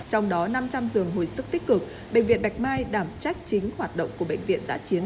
trong đó năm trăm linh giường hồi sức tích cực bệnh viện bạch mai đảm trách chính hoạt động của bệnh viện giã chiến